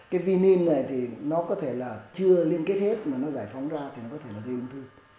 cái vinin này thì nó có thể là chưa liên kết hết mà nó giải phóng ra thì nó có thể là gây ung thư